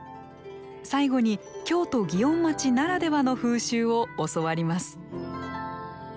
最後に京都・園町ならではの風習を教わります